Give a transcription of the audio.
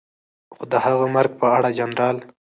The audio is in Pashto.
خو د هغه مرګ په اړه جنرال